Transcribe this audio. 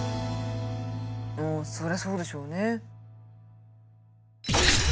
そりゃそうでしょうね。